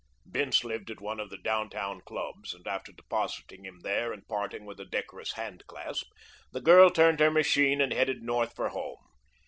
Bince lived at one of the down town clubs, and after depositing him there and parting with a decorous handclasp the girl turned her machine and headed north for home.